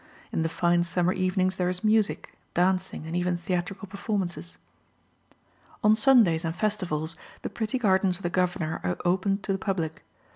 In the fine summer evenings there is music, dancing, and even theatrical performances. On Sundays and festivals the pretty gardens of the governor are opened to the public.